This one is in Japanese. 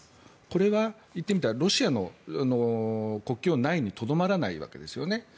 これは言ってみたらロシアの国境内にとどまらないわけですね。